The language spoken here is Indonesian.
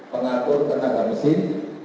pengatur tenaga mesin